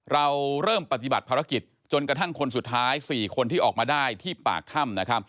เราเริ่มปฏิบัติภารกิจจนกระทั่งคนสุดท้าย๔คนที่ออกมาได้ที่ปากถ้ำนะครับ